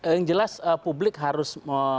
yang jelas publik harus